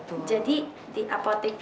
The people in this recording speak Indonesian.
oh jadi di apotek